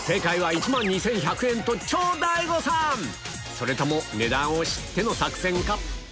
それとも値段を知っての作戦か？